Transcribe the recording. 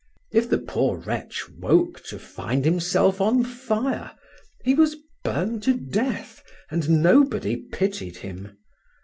If the poor wretch woke to find himself on fire, he was burned to death, and nobody pitied him.